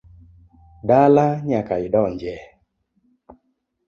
Dala nyaka idonje